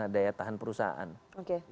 daya tahan perusahaan oke